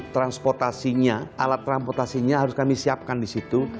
transportasinya alat transportasinya harus kami siapkan di situ